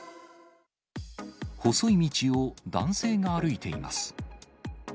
細い道を男性が歩いています。